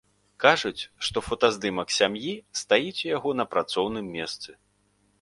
Кажуць, што фотаздымак сям'і стаіць у яго на працоўным месцы.